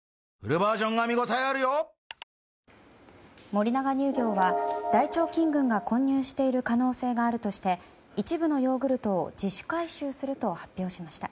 森永乳業は大腸菌群が混入している可能性があるとして一部のヨーグルトを自主回収すると発表しました。